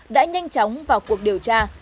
đã nhanh chóng vào cuộc điều tra